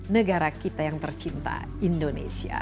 negara kita yang tercinta indonesia